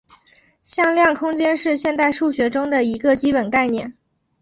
向量空间是现代数学中的一个基本概念。